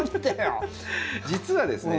実はですね